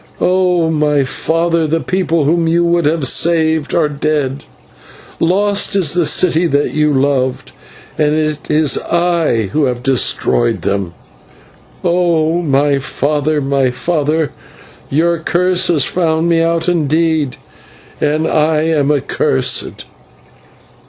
Oh! my father, the people whom you would have saved are dead; lost is the city that you loved, and it is I who have destroyed them. Oh! my father, my father, your curse has found me out indeed, and I am accursed."